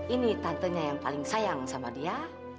ini tantenya yang paling sayang sama dia